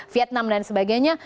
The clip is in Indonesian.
vietnam dan sebagainya